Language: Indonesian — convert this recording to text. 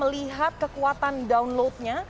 melihat kekuatan downloadnya